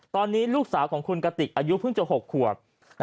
ตอนนี้ลูกสาวของคุณกติกอายุเพิ่งจะ๖ขวบ